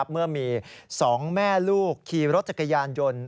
เมื่อมี๒แม่ลูกขี่รถจักรยานยนต์